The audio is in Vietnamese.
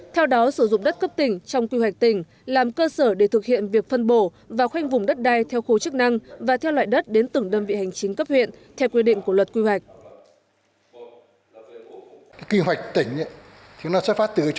theo đó sử dụng đất cấp tỉnh trong quy hoạch tỉnh làm cơ sở để thực hiện việc phân bổ và khoanh vùng đất đai theo khu chức năng và theo loại đất đến từng đơn vị hành chính cấp huyện theo quy định của luật quy hoạch